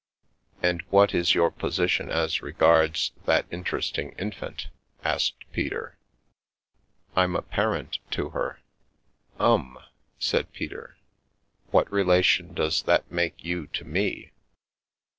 " And what is your position as regards that interesting infant?" asked Peter. " I'm a parent to her." " Um !" said Peter. " What relation does that make you to me